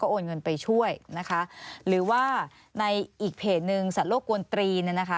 โอนเงินไปช่วยนะคะหรือว่าในอีกเพจหนึ่งสัตว์โลกกวนตรีเนี่ยนะคะ